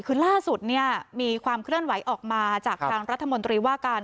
คือล่าสุดเนี่ยมีความเคลื่อนไหวออกมาจากทางรัฐมนตรีว่าการ